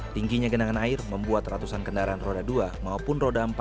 tingginya genangan air membuat ratusan kendaraan roda dua maupun roda empat